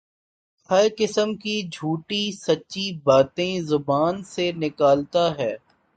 ہر قسم کی جھوٹی سچی باتیں زبان سے نکالتا ہے